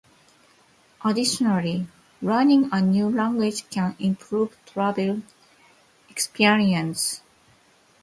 Additionally, learning a new language can improve travel experiences.